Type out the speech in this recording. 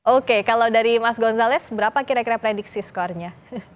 oke kalau dari mas gonzalez berapa kira kira prediksi skornya